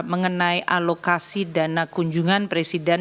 mengenai alokasi dana kunjungan presiden